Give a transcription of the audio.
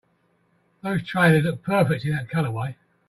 Those trainers look perfect in that colorway!